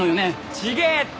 違えって。